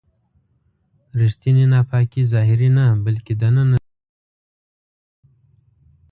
ریښتینې ناپاکي ظاهري نه بلکې دننه زموږ په زړونو کې وي.